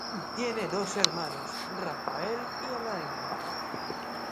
Tiene dos hermanos, Rafael y Alain.